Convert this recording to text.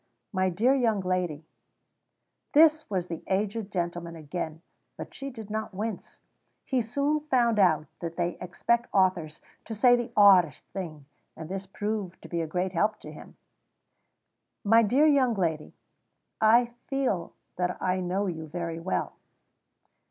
"My dear young lady " This was the aged gentleman again, but she did not wince; he soon found out that they expect authors to say the oddest things, and this proved to be a great help to him. "My dear young lady, I feel that I know you very well."